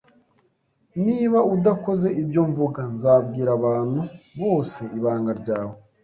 Niba udakoze ibyo mvuga, nzabwira abantu bose ibanga ryawe